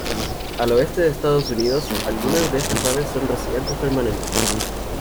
Al oeste de Estados Unidos, algunas de estas aves son residentes permanentes.